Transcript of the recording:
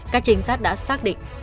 các trinh sát đã xác định